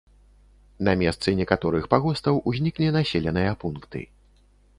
На месцы некаторых пагостаў узніклі населеныя пункты.